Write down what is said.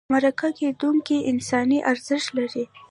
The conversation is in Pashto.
مرکه کېدونکی انساني ارزښت لري.